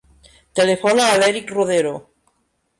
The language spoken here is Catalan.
Telefona a l'Erik Rodero.